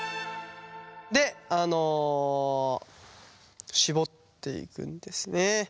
であのしぼっていくんですね。